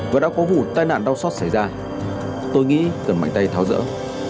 và đã có vụ tai nạn đau xót xảy ra tôi nghĩ cần mạnh tay tháo rỡ